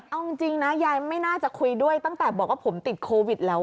เอาจริงนะยายไม่น่าจะคุยด้วยตั้งแต่บอกว่าผมติดโควิดแล้ว